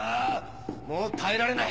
もう耐えられない！